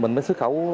mình mới xuất khẩu